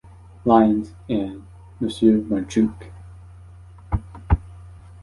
Lions and M. Marchuk.